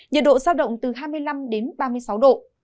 nhiệt độ giao động từ hai mươi năm đến ba mươi sáu độ